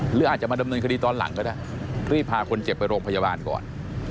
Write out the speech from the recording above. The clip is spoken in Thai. หรืออาจจะมาดำเนินคดีตอนหลังก็ได้รีบพาคนเจ็บไปโรงพยาบาลก่อน